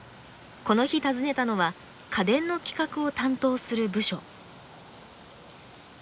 この日訪ねたのは家電の企画を担当する部署。